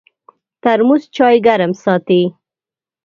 ترموز چای ګرم ساتي.